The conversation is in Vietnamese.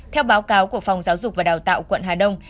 theo báo cáo của phòng giáo dục và đào tạo quận hà đông